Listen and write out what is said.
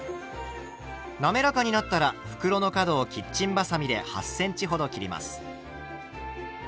滑らかになったら袋の角をキッチンばさみで８ｃｍほど切ります。